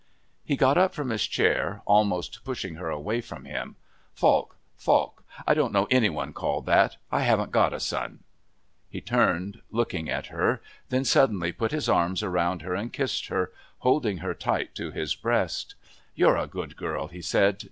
He got up from his chair, almost pushing her away from him. "Falk! Falk! I don't know any one called that. I haven't got a son " He turned, looking at her. Then suddenly put his arms around her and kissed her, holding her tight to his breast. "You're a good girl," he said.